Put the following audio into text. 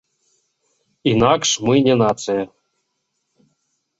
Інакш мы не нацыя.